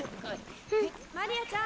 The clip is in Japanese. マリアちゃん！